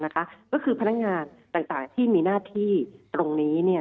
ก็คือพนักงานต่างที่มีหน้าที่ตรงนี้